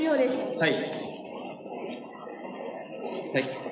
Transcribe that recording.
はい。